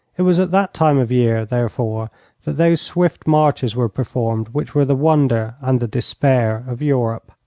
It was at that time of year, therefore, that those swift marches were performed which were the wonder and the despair of Europe.